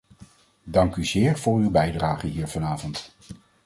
Dank u zeer voor uw bijdrage hier vanavond.